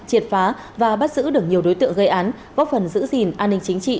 triệt phá và bắt giữ được nhiều đối tượng gây án góp phần giữ gìn an ninh chính trị